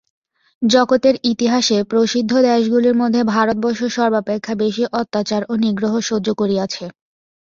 জগতের ইতিহাসে প্রসিদ্ধ দেশগুলির মধ্যে ভারতবর্ষ সর্বাপেক্ষা বেশী অত্যাচার ও নিগ্রহ সহ্য করিয়াছে।